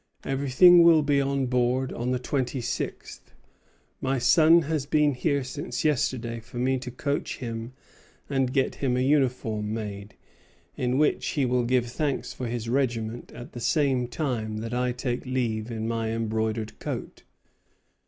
Everything will be on board on the twenty sixth. My son has been here since yesterday for me to coach him and get him a uniform made, in which he will give thanks for his regiment at the same time that I take leave in my embroidered coat.